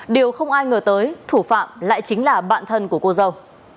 điều không ai ngờ tới thủ phạm lại chính là bạn thân của cô dâu